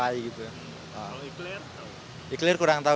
kalau ikhlaq kurang tahu